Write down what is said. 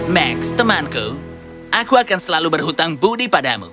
max temanku aku akan selalu berhutang budi padamu